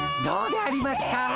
どうでありますか？